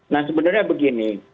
nah sebenarnya begini